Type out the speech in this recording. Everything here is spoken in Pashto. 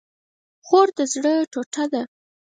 خور د زړه ټوټه ده